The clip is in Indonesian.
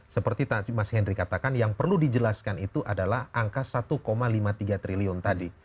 seperti tadi mas henry katakan yang perlu dijelaskan itu adalah angka satu lima puluh tiga triliun tadi